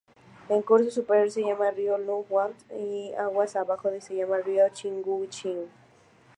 El curso superior se llama río Lung-t'ou, y aguas abajo se llama río Ch'ing-shui.